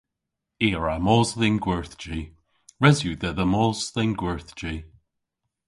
I a wra mos dhe'n gwerthji. Res yw dhedha mos dhe'n gwerthji.